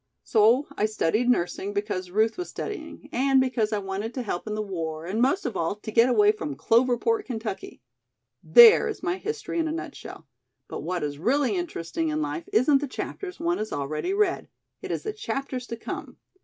So I studied nursing because Ruth was studying and because I wanted to help in the war and most of all, to get away from Cloverport, Kentucky. "There is my history in a nutshell, but what is really interesting in life isn't the chapters one has already read, it is the chapters to come.